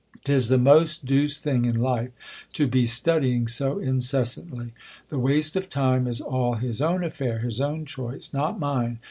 'Tis the most deuced thing in life to be studying so incessantly. The waste of time is all his own atfair, his own choice, not mine.